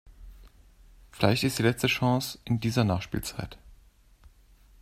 Vielleicht die letzte Chance in dieser Nachspielzeit.